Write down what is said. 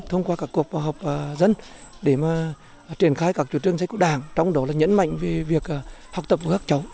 thông qua các cuộc học dân để mà triển khai các chủ trương sách của đảng trong đó là nhẫn mạnh về việc học tập của các cháu